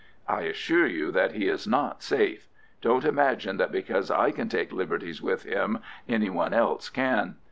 "I assure you that he is not safe. Don't imagine that because I can take liberties with him any one else can.